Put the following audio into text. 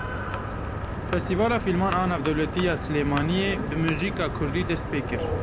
Festîvala Fîlman a Navdewletî ya Silêmaniyê bi mûzîka kurdî dest pê kir.